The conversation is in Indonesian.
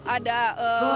ada lenong dan lain lain